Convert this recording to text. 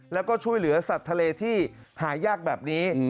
แล้วก็ช่วยเหลือสัตว์ทะเลที่หายากแบบนี้